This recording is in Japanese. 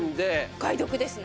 お買い得ですね。